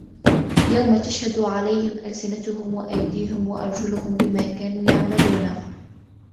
يَوْمَ تَشْهَدُ عَلَيْهِمْ أَلْسِنَتُهُمْ وَأَيْدِيهِمْ وَأَرْجُلُهُمْ بِمَا كَانُوا يَعْمَلُونَ